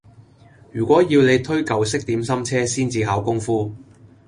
如果要你推舊式點心車先至考功夫